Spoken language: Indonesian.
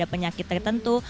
ada penyakit tertentu